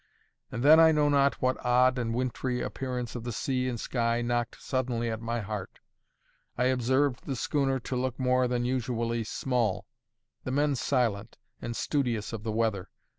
And then I know not what odd and wintry appearance of the sea and sky knocked suddenly at my heart. I observed the schooner to look more than usually small, the men silent and studious of the weather.